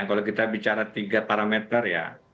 kalau kita bicara tiga parameter ya